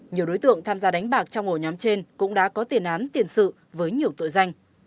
nhiều đối tượng tham gia đánh bạc trong ổ nhóm trên cũng đã có tiền án tiền sự với nhiều tội danh